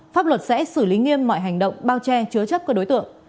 pháp luật sẽ xử lý nghiêm mọi hành động bao che chứa chấp các đối tượng